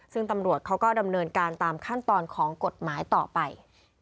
ซึ่งตำรวจเขาก็ดำเนินการตามขั้นตอนของกฎหมายต่อไป